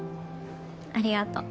ありがとう。